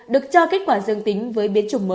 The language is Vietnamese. được cho kết quả dương tính với biến chủng mới